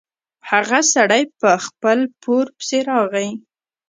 هغه سړی په خپل پور پسې راغی.